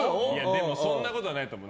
でも、そんなことはないと思う。